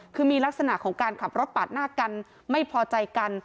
คือมีลักษณะของการขับรถปาดหน้ากันไม่พอใจกัน